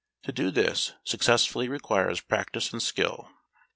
To do this last successfully requires practice and skill.